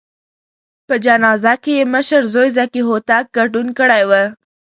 په جنازه کې یې مشر زوی ذکي هوتک ګډون کړی و.